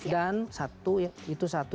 dan itu satu